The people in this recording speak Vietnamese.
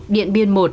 điện biên một